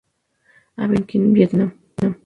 Habita en Tonkin Vietnam.